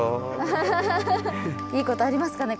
いいことありますかね